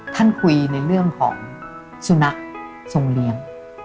ท่านคุยในเรื่องของสุนัขทรงเลี้ยง